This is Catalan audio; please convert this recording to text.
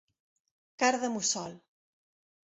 Cara de mussol.